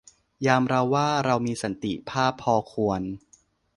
ยามเราว่า เรามีสันติภาพพอควร